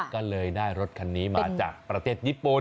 ก็เลยได้รถคันนี้มาจากประเทศญี่ปุ่น